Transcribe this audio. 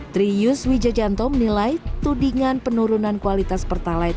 trius wijajanto menilai tudingan penurunan kualitas pertalite